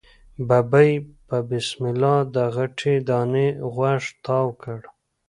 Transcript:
ببۍ په بسم الله د غټې دانی غوږ تاو کړ.